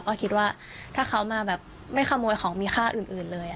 ก็คิดว่าถ้าเขามาแบบไม่ขโมยของมีค่าอื่นเลย